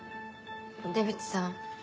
出渕さん